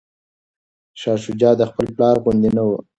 شاه شجاع د خپل پلار غوندې نه و.